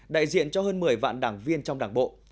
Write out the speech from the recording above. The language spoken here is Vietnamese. đại diện cho hơn một mươi vạn đảng viên trong đảng bộ